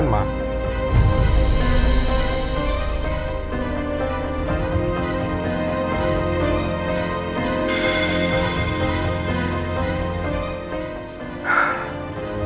itu jahat ma